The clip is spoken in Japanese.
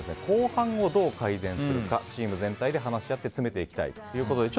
後半をどう改善するかチーム全体で話し合って詰めていきたいと。